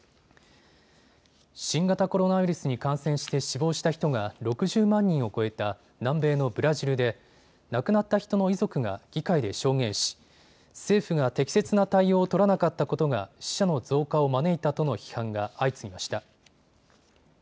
新型コロナウイルスに感染して死亡した人が６０万人を超えた南米のブラジルで亡くなった人の遺族が議会で証言し政府が適切な対応を取らなかったことが死者の増加を招いたとの批判が相次ぎました。